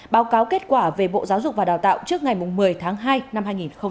báo cáo kết quả về bộ giáo dục và đào tạo trước ngày một mươi tháng hai năm hai nghìn hai mươi